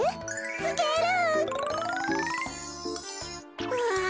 つける！わ。